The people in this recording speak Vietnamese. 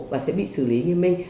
và sẽ bị xử lý nghiêm minh